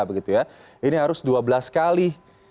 begitu ya ini harus dua belas kali